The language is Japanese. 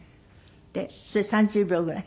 それ３０秒ぐらい？